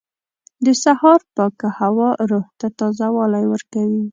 • د سهار پاکه هوا روح ته تازهوالی ورکوي.